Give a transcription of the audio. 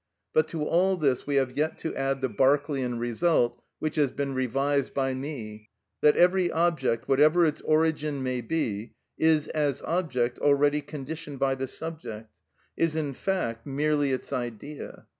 But to all this we have yet to add the Berkeleian result, which has been revised by me, that every object, whatever its origin may be, is as object already conditioned by the subject, is in fact merely its idea.